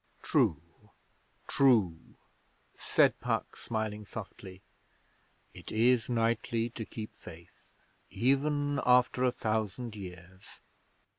'True true,' said Puck, smiling softly. 'It is knightly to keep faith even after a thousand years.'